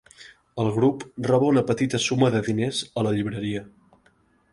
El grup roba una petita suma de diners a la llibreria.